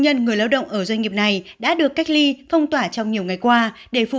nhân người lao động ở doanh nghiệp này đã được cách ly phong tỏa trong nhiều ngày qua để phục